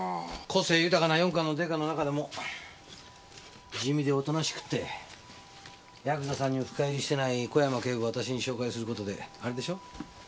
個性豊かな四課のデカの中でも地味で大人しくってヤクザさんに深入りしてない小山警部を私に紹介する事であれでしょ？